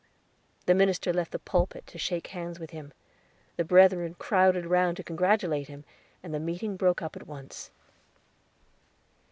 The minister left the pulpit to shake hands with him; the brethren crowded round to congratulate him, and the meeting broke up at once.